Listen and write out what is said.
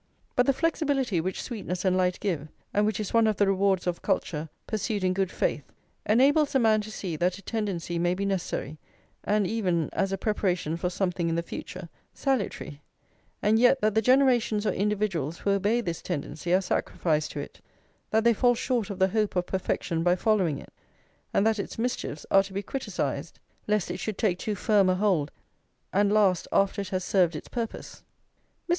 But the flexibility which sweetness and light give, and which is one of the rewards of culture pursued in good faith, enables a man to see that a tendency may be necessary, and even, as a preparation for something in the future, salutary, and yet that the generations or individuals who obey this tendency are sacrificed to it, that they fall short of the hope of perfection by following it; and that its mischiefs are to be criticised, lest it should take too firm a hold and last after it has served its purpose. Mr.